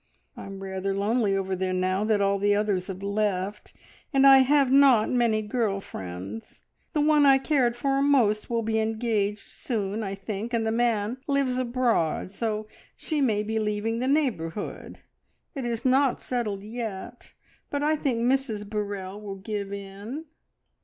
I'm rather lonely over there now that all the others have left, and I have not many girl friends. The one I cared for most will be engaged soon, I think, and the man lives abroad, so she may be leaving the neighbourhood. It is not settled yet, but I think Mrs Burrell will give in."